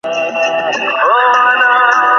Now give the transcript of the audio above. আমরা জানি, অনন্তের কখনও বিভাগ হইতে পারে না।